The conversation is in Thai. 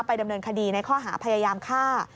ดำเนินคดีในข้อหาพยายามฆ่า